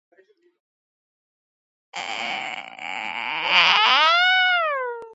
ის მუშაობდა ბიბლიოთეკაში, რედაქციაში, ასევე კონსპირაციულ სტამბაში და წერდა ლექსებს.